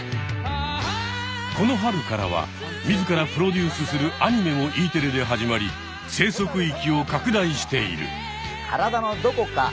この春からは自らプロデュースするアニメもＥテレで始まり生息域を拡大している。